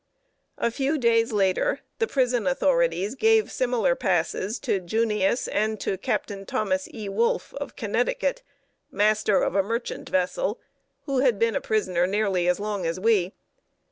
A few days later, the prison authorities gave similar passes to "Junius" and to Captain Thomas E. Wolfe, of Connecticut, master of a merchant vessel, who had been a prisoner nearly as long as we.